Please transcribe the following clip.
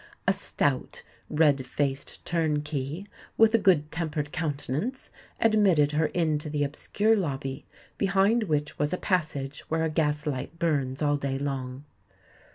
A stout, red faced turnkey, with a good tempered countenance, admitted her into the obscure lobby, behind which was a passage where a gas light burns all day long.